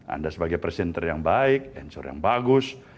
anda sebagai presiden yang baik insur yang bagus